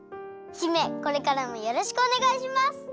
姫これからもよろしくおねがいします！